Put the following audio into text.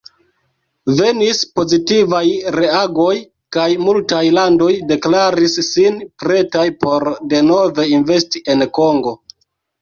Venis pozitivaj reagoj kaj multaj landoj deklaris sin pretaj por denove investi en Kongo.